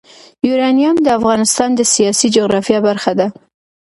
یورانیم د افغانستان د سیاسي جغرافیه برخه ده.